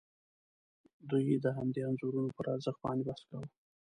دوی د همدې انځورونو پر ارزښت باندې بحث کاوه.